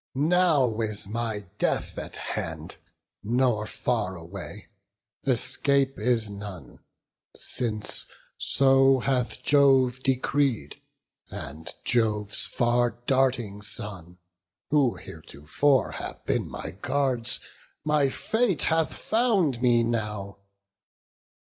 Now is my death at hand, nor far away: Escape is none; since so hath Jove decreed, And Jove's far darting son, who heretofore Have been my guards; my fate hath found me now.